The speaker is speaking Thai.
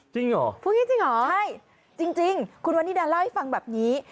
จริงเหรอพูดอย่างนี้จริงเหรอใช่จริงคุณวันนิดาเล่าให้ฟังแบบนี้